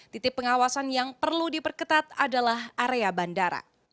titik pengawasan yang perlu diperketat adalah area bandara